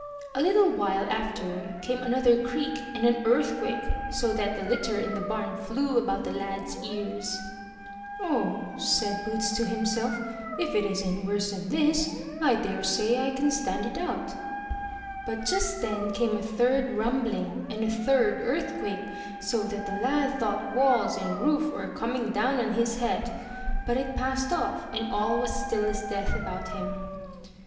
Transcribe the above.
A little while after came another creak and an earthquake, so that the litter in the barn flew about the lad's ears. 53 MY BOOK HOUSE '*0h!" said Boots to himself, ''if it isn't worse than this, I daresay I can stand it out/' But just then came a third rumbling, and a third earthquake, so that the lad thought walls and roof were coming down on his head; but it passed off, and all was still as death about him.